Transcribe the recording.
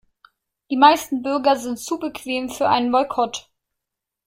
Die meisten Bürger sind zu bequem für einen Boykott.